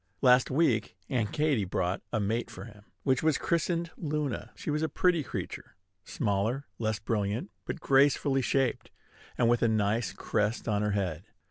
Last week, Aunt Katy brought a mate for him, which was christened Luna. She was a pretty creature, smaller, less brilliant, but gracefully shaped, and with a nice crest on her head.